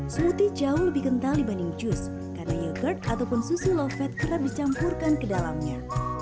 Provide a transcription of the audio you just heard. smoothie jauh lebih kental dibanding jus karena yogurt ataupun susu love kerap dicampurkan ke dalamnya